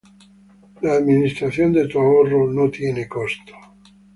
La administración de tu ahorro no tiene costo.